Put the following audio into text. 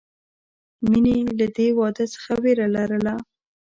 مینې له دې واده څخه وېره لرله